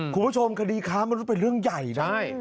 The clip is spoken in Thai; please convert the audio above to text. คุณผู้ชมคดีค้ามนุษย์เป็นเรื่องใหญ่นะ